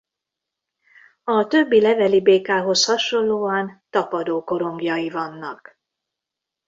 A többi levelibékához hasonlóan tapadókorongjai vannak.